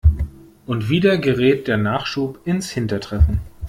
Und wieder gerät der Nachschub ins Hintertreffen.